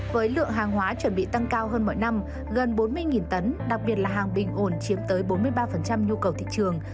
với lượng hàng hóa chuẩn bị tăng cao hơn mỗi năm gần bốn mươi tấn đặc biệt là hàng bình ổn chiếm tới bốn mươi ba nhu cầu thị trường